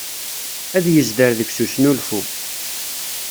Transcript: Ad yezder deg-s usnulfu.